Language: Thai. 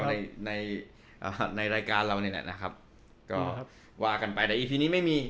ในในอ่าในในรายการเรานี่แหละนะครับก็ว่ากันไปแต่อีพีนี้ไม่มี